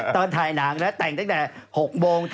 ตอนถ่ายหนังนะแต่งตั้งแต่๖โมง